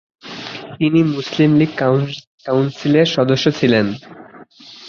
তিনি মুসলিম লীগ কাউন্সিলের সদস্য ছিলেন।